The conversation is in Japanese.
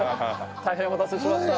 大変お待たせしました。